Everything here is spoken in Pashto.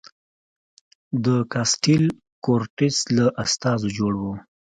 د کاسټیل کورتس له استازو جوړ و.